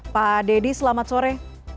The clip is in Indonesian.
pak dedy selamat sore